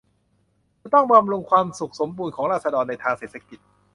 จะต้องบำรุงความสุขสมบูรณ์ของราษฎรในทางเศรษฐกิจ